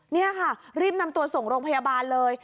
นี่ค่ะรีบนำตัวส่งโรงพยาบาลเลย